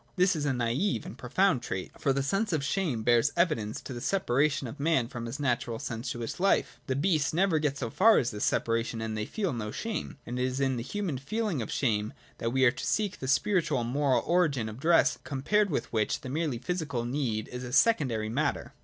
This is a naive and profound trait. 56 PRELIMINARY NOTION. [h F^or the sense of shame bears evidence to the separation of man from his natural and sensuous hfe. The beasts never get so far as this separation, and they feel no shame. And it is in the human feeling of shame that we are to seek the spiritual and moral origin of dress, compared with which the merely physical need is a secondary matter.